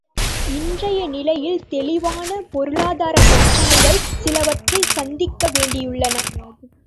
இன்றைய நிலையில் தெளிவான பொருளாதாரப் பிரச்சனைகள் சிலவற்றைச் சந்திக்க வேண்டியுள்ளன.